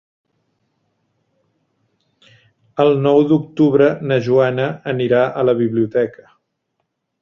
El nou d'octubre na Joana anirà a la biblioteca.